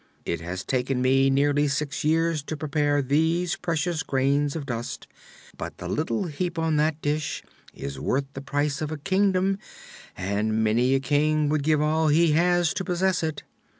It has taken me nearly six years to prepare these precious grains of dust, but the little heap on that dish is worth the price of a kingdom and many a king would give all he has to possess it.